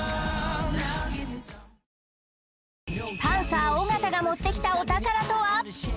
パンサー尾形が持ってきたお宝とは？